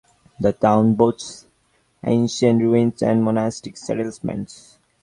The town boasts ancient ruins and monastic settlements.